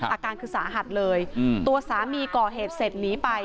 อาการคือสาหัสเลยตัวสามีก่อเหตุเสร็จหนีไป